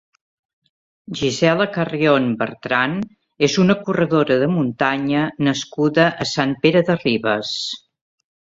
Gisela Carrión Bertran és una corredora de muntanya nascuda a Sant Pere de Ribes.